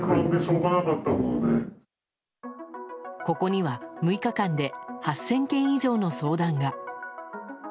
ここには６日間で８０００件以上の相談が。